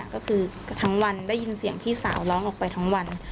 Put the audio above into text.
ก็คือทั้งวันได้ยินเสียงพี่สาวร้องออกไปทั้งวัน